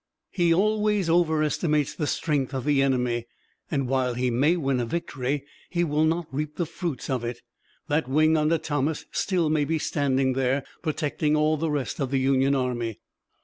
He always overestimates the strength of the enemy, and while he may win a victory he will not reap the fruits of it. That wing under Thomas still may be standing there, protecting all the rest of the Union army."